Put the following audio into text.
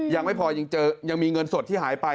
ยังไม่พอยังเจอยังมีเงินสดที่หายไป